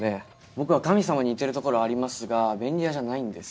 僕は神様に似てるところありますが便利屋じゃないんです。